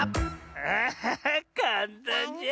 アハハかんたんじゃ。